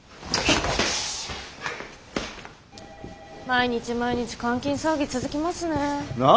毎日毎日監禁騒ぎ続きますね。な？